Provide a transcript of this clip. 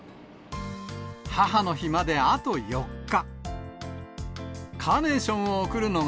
母の日まであと４日。